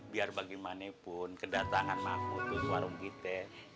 biar bagaimanapun kedatangan mak mutu ke warung kita